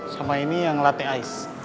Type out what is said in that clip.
sama ini yang latih ais